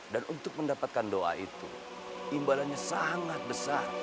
dan untuk mendapatkan doa itu imbalannya sangat besar